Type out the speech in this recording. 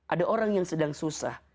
ada orang yang sedang susah